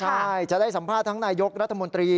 ใช่จะได้สัมภาษณ์ทั้งนายกรัฐมนตรี